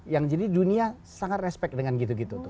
yang jadi dunia sangat respect dengan gitu gitu tuh